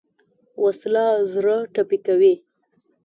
وسله زړه ټپي کوي